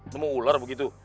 nemu ular begitu